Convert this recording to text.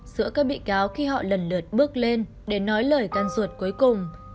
giữa các bị cáo khi họ lần lượt bước lên để nói lời can ruột cuối cùng